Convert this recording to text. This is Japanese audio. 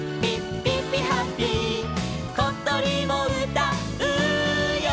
「ことりもうたうよ